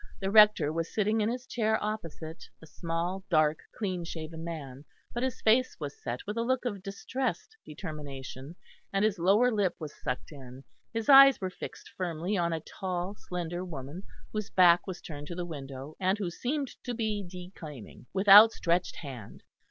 The Rector was sitting in his chair opposite, a small dark, clean shaven man, but his face was set with a look of distressed determination, and his lower lip was sucked in; his eyes were fixed firmly on a tall, slender woman whose back was turned to the window and who seemed to be declaiming, with outstretched hand.